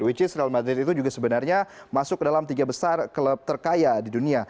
which is real madrid itu juga sebenarnya masuk ke dalam tiga besar klub terkaya di dunia